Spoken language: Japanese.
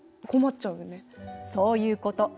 そういうこと。